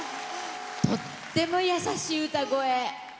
とっても優しい歌声。